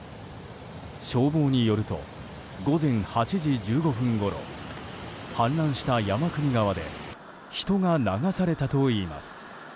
消防によると午前８時１５分ごろ氾濫した山国川で人が流されたといいます。